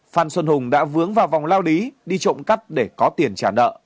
phan xuân hùng đã vướng vào vòng lao lý đi trộm cắp để có tiền trả nợ